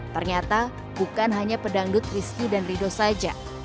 ternyata bukan hanya pedangdut rizky dan rido saja